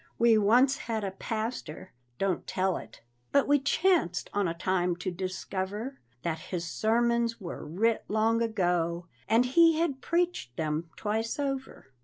We once had a pastor (don't tell it), But we chanced on a time to discover That his sermons were writ long ago, And he had preached them twice over.